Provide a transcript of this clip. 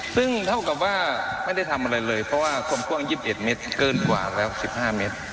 ซึ่งเท่ากับว่าไม่ได้ทำอะไรเลยเพราะว่าคมพ่วง๒๑เมตรเกินกว่าแล้ว๑๕เมตร